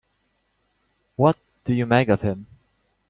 What do you make of him?